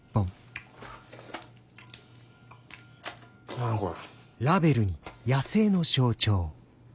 何やこれ。